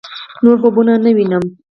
نور خوبونه نه وينم